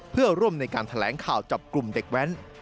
เพื่อร่วมในการแถลงข่าวจับกลุ่มเด็กแว้น